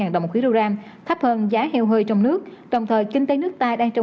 ba mươi đồng kg thấp hơn giá heo hơi trong nước đồng thời kinh tế nước ta đang trong